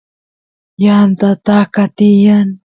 yanta taka tiyan